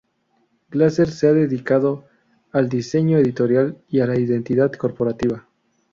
Glaser se ha dedicado al diseño editorial y a la identidad corporativa.